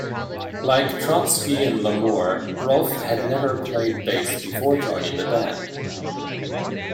Like Trotsky and LaMoore, Rolfe had never played bass before joining the band.